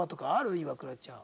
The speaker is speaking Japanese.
イワクラちゃん。